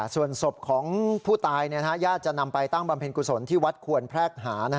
ส่วนศพของผู้ตายญาติจะนำไปตั้งบำเพ็ญกุศลที่วัดควรแพรกหา